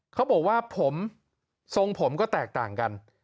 เขาบอกว่าผมทรงผมก็แตกต่างกัน